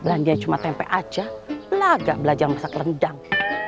onya cuma tmk aja laga belajar masak rendang